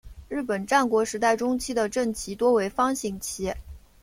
日本战国时代中期的阵旗多为方形旗。